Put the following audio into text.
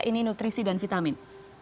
ini nutrisi dan vitamin